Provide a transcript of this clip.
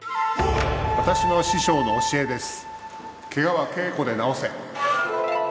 私の師匠の教えです。